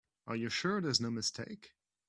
Are you sure there's no mistake?